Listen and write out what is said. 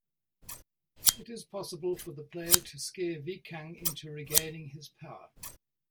It is possible for the player to scare Viekang into regaining his power.